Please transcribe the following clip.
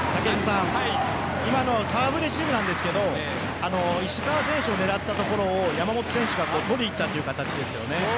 今のサーブレシーブなんですが石川選手を狙ったところを山本選手が取りにいったという形ですよね。